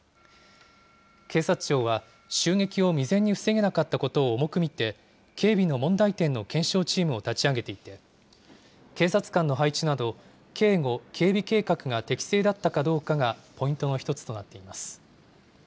警察庁は、襲撃を未然に防げなかったことを重く見て、警備の問題点の検証チームを立ち上げていて、警察官の配置など、警護・警備計画が適正だったかどうかがポイントの一つとなっています。